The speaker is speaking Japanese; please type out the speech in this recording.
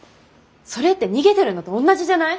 それって逃げてるのと同じじゃない？